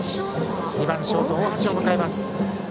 ２番ショートの大橋を迎えます。